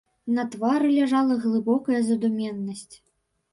На твары ляжала глыбокая задуменнасць.